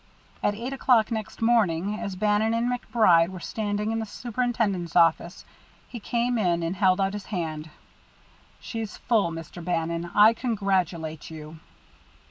At eight o'clock next morning, as Bannon and MacBride were standing in the superintendent's office, he came in and held out his hand. "She's full, Mr. Bannon. I congratulate you."